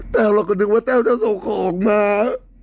เราก็นึกว่าแต้วจะส่งของมา